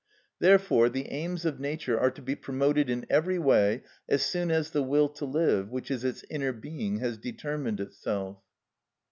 Therefore the aims of Nature are to be promoted in every way as soon as the will to live, which is its inner being, has determined itself.